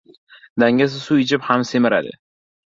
• Dangasa suv ichib ham semiradi.